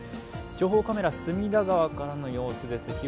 情報カメラ、隅田川からの様子です。